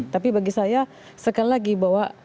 tapi bagi saya sekali lagi bahwa